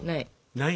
ない。